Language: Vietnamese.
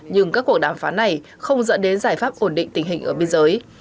nhưng các cuộc đàm phán này không dẫn đến giải pháp ổn định tình hình ở biên giới